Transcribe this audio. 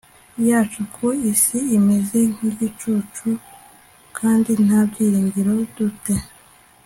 yacu ku isi imeze nk igicucu v kandi nta byiringiro du te